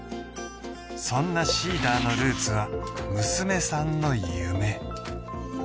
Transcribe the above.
そんなＳｅｅｄｅｒのルーツは娘さんの夢